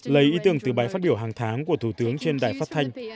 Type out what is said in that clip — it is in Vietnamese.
lấy ý tưởng từ bài phát biểu hàng tháng của thủ tướng trên đài phát thanh